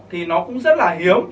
thì nó cũng rất là hiếm